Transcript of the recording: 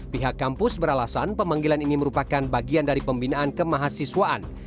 pihak kampus beralasan pemanggilan ini merupakan bagian dari pembinaan kemahasiswaan